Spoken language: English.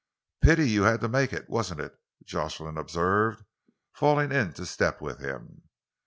"Pity you had to make it, wasn't it?" Jocelyn observed, falling into step with him.